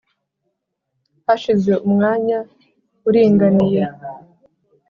Hashize umwanya uringaniye